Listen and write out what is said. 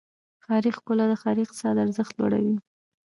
ښاري ښکلا د ښار اقتصادي ارزښت لوړوي.